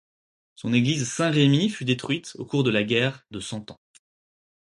Son église Saint-Rémy fut détruite au cours de la guerre de Cent Ans.